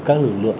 các lực lượng